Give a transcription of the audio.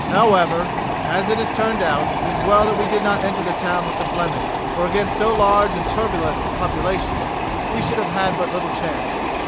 However, as it has turned out, it is as well that we did not enter the town with the Fleming, for against so large and turbulent a population we should have had but little chance.